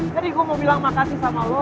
jadi gue mau bilang makasih sama lo